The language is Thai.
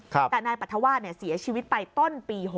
แต่นายปรัฐวาสเสียชีวิตไปต้นปี๖๐